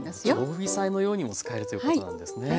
常備菜のようにも使えるということなんですね。